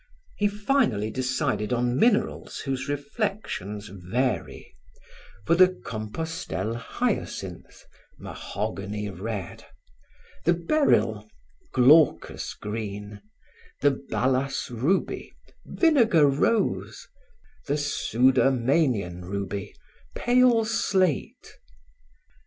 He finally decided on minerals whose reflections vary; for the Compostelle hyacinth, mahogany red; the beryl, glaucous green; the balas ruby, vinegar rose; the Sudermanian ruby, pale slate.